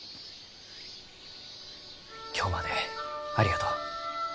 今日までありがとう。